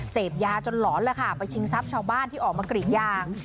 เสพยาจนหลอนไปชิงซับชาวบ้านที่ออกมากรีดยาง